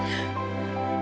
kami percaya sama kakak